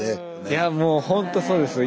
いやもうほんとそうですよ。